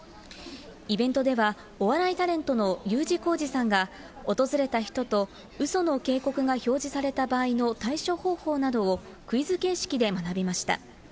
イベントでは、お笑いタレントのＵ字工事さんが、訪れた人とうその警告が表示された場合の対処方法などを、クイズ形式で学びました。